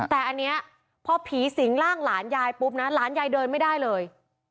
แต่อันนี้พอผีสิงร่างหลานยายปุ๊บนะหลานยายเดินไม่ได้เลย